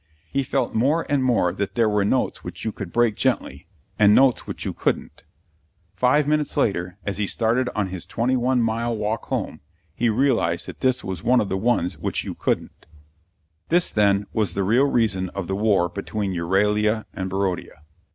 He felt more and more that there were notes which you could break gently, and notes which you couldn't. ... Five minutes later, as he started on his twenty one mile walk home, he realised that this was one of the ones which you couldn't. This, then, was the real reason of the war between Euralia and Barodia.